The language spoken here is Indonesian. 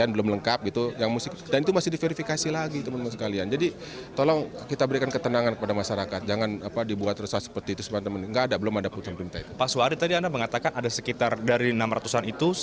bapak komjen paul soehardi alius